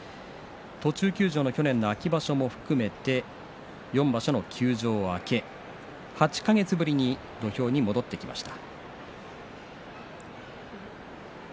途中休場の去年の秋場所も含めて４場所の休場明け８か月ぶりに土俵に戻ってきました。